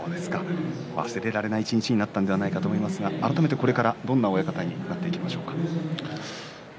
忘れられない一日になったのではないかと思いますが改めて、これからどんな親方になっていきますでしょうか。